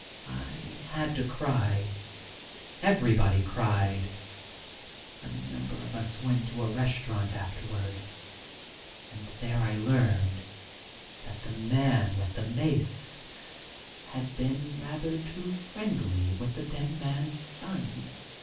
I had to cry — everybody cried A number of us went to a restaurant afterward, and there I learned that the man with the mace had been rather too friendly with the dead man s son